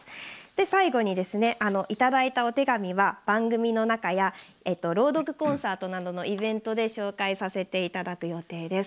最後に、いただいたお手紙は番組の中や朗読コンサートなどのイベントで紹介させていただく予定です。